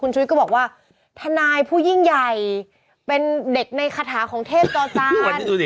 ชีวิตก็บอกว่าทนายผู้ยิ่งใหญ่เป็นเด็กในคาถาของเทพจอจาน